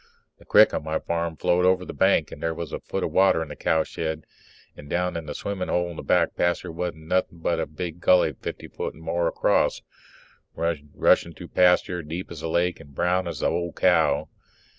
The crick on my farm flowed over the bank and there was a foot of water in the cowshed, and down in the swimmin' hole in the back pasture wasn't nothing but a big gully fifty foot and more across, rushing through the pasture, deep as a lake and brown as the old cow.